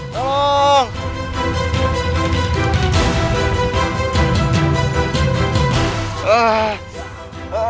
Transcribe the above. tak menges submit